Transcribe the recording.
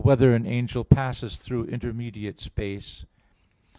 2] Whether an Angel Passes Through Intermediate Space?